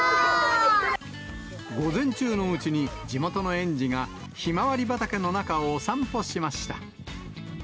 午前中のうちに、地元の園児がひまわり畑の中をお散歩しました。